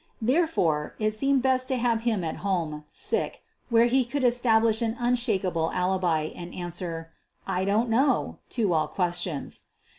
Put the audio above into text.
Therefore, it seemed best to have him at home, sick, where he could establish an unshakable alibi and answer, "I don't know" to all questions.